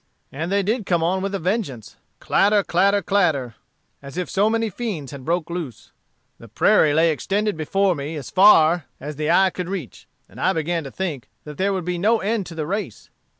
And they did come on with a vengeance, clatter, clatter, clatter, as if so many fiends had broke loose. The prairie lay extended before me as far as the eye could reach, and I began to think that there would be no end to the race.